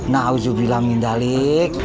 nah huzubillah mindalik